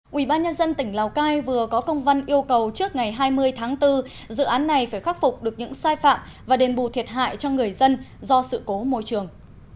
quỹ ban nhân dân tỉnh lào cai vừa có công văn yêu cầu trước ngày hai mươi tháng bốn dự án này phải khắc phục được những sai phạm và đền bù thiệt hại cho người dân do sự cố môi trường